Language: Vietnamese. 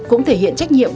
cũng thể hiện trách nhiệm